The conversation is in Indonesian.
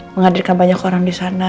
menghadirkan banyak orang di sana